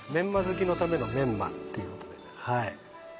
好きのためのメンマっていうことではい